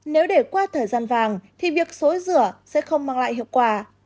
nếu để qua thời gian vàng thì việc xối rửa sẽ không mang lại hiệu quả